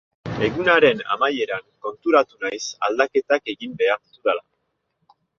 Egunaren amaieran konturatu naiz aldaketak egin behar ditudala.